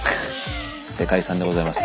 世界遺産でございます。